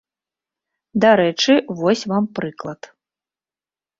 Дарэчы, вось вам прыклад.